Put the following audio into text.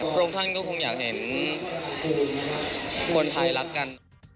พรุ่งท่านก็คงอยากเห็นคนถ่ายรักกัน